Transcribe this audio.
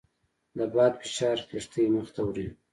د باد فشار کښتۍ مخ ته وړي.